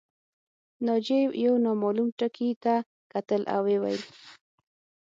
ناجیې یو نامعلوم ټکي ته کتل او ویې ویل